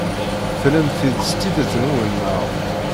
Tennam-t-id s tidet-nwen, naɣ?